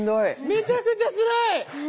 めちゃくちゃつらい。